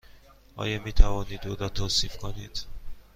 آیا می توانید او را توصیف کنید؟